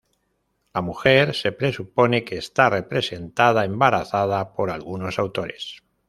La mujer se presupone que está representada embarazada por algunos autores.